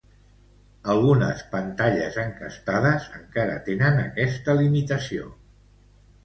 Algunes pantalles encastades encara tenen esta limitació.